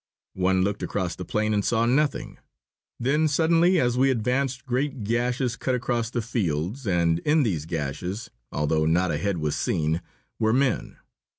One looked across the plain and saw nothing. Then suddenly as we advanced great gashes cut across the fields, and in these gashes, although not a head was seen, were men.